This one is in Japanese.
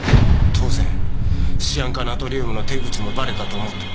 当然シアン化ナトリウムの手口もバレたと思った。